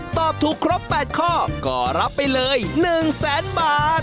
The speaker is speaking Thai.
ตอบถูกครบ๘ข้อก็รับไปเลย๑แสนบาท